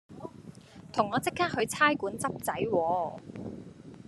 叫我即刻去差館執仔喎